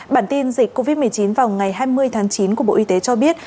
bản tin dịch covid một mươi chín vào ngày hai mươi tháng chín của bộ y tế cho biết